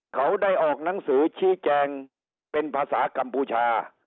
เขาได้ออกหนังสือชี้แจงเป็นภาษากัมพูชา